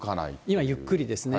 今、ゆっくりですね。